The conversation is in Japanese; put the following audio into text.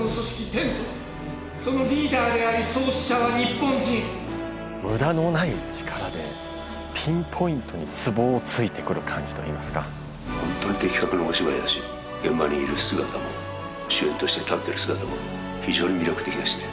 テントそのリーダーであり創始者は日本人無駄のない力でピンポイントにつぼをついてくる感じと言いますかほんとに的確なお芝居だし現場にいる姿も主演として立っている姿も非常に魅力的だしね